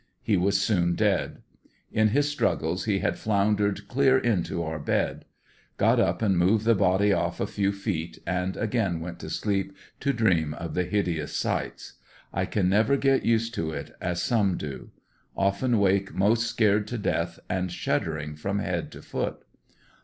He was soon dead . In his struggles he had floundered clear into our bed Got up and moved the body off a few feet, and again went to sleep to dream of the hideous sights. I can never get used to it as some do. Often wake most scared to death, and shuddering from head to foot.